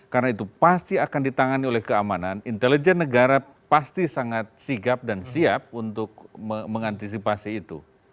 karena itu pasti akan ditangani oleh keamanan intelijen negara pasti sangat sigap dan siap untuk mengantisipasi itu